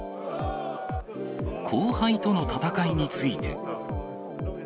後輩との戦いについて。